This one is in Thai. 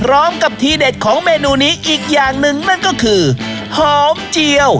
กับทีเด็ดของเมนูนี้อีกอย่างหนึ่งนั่นก็คือหอมเจียว